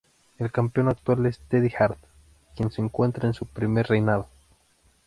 El campeón actual es Teddy Hart, quien se encuentra en su primer reinado.